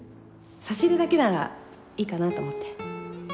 差し入れだけならいいかなと思って。